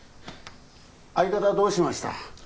相方はどうしました？